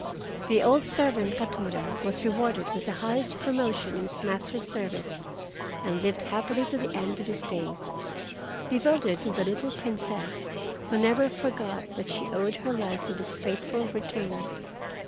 The old servant Katoda was rewarded with the highest promotion in his master's service, and lived happily to the end of his days, devoted to the little Princess, who never forgot that she owed her life to this faithful retainer.